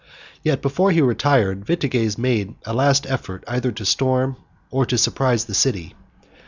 Yet, before he retired, Vitiges made a last effort, either to storm or to surprise the city.